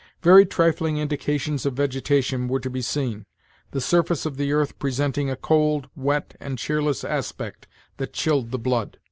Very trifling indications of vegetation were to be seen, the surface of the earth presenting a cold, wet, and cheerless aspect that chilled the blood.